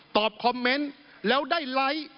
คอมเมนต์แล้วได้ไลค์